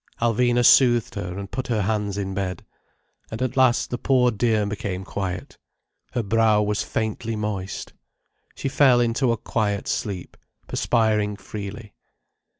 Alvina soothed her, and put her hands in bed. And at last the poor dear became quiet. Her brow was faintly moist. She fell into a quiet sleep, perspiring freely.